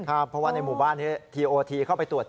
เพราะว่าในหมู่บ้านนี้ทีโอทีเข้าไปตรวจ